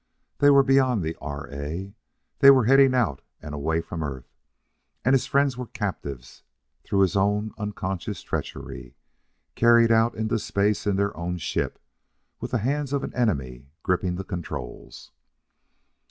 They were beyond the R. A.; they were heading out and away from Earth; and his friends were captives through his own unconscious treachery, carried out into space in their own ship, with the hands of an enemy gripping the controls....